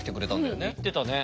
行ってたね。